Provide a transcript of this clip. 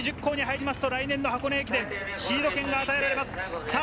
上位１０校に入ると来年の箱根駅伝シード権が与えられます。